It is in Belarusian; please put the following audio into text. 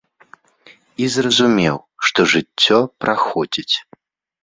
І зразумеў, што жыццё праходзіць.